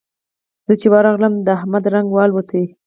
زه چې ورغلم؛ د احمد رنګ والوت.